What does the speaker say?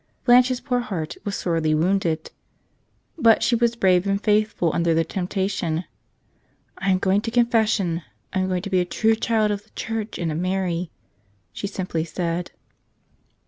Blanche's poor heart was sorely wounded. But she was brave and faithful under the temptation. "I'm going to confession. I'm going to be a true child of the Church and of Mary," she simply said.